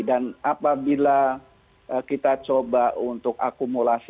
dan apabila kita coba untuk akumulasi